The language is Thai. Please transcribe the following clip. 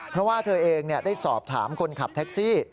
เพราะว่าเธอเองได้สอบถามคนขับแท็กซี่